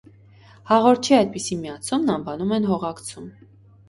Հաղորդչի այդպիսի միացումն անվանում են հողակցում։